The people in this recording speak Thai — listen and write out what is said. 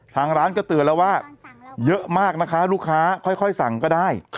ทางร้านก็เตือนแล้วว่าเยอะมากนะคะลูกค้าค่อยสั่งก็ได้